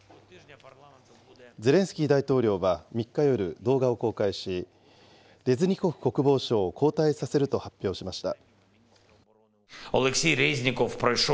ゼレンスキー大統領は３日夜、動画を公開し、レズニコフ国防相を交代させると発表しました。